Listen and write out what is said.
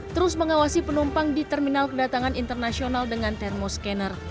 terus mengawasi penumpang di terminal kedatangan internasional dengan termoskener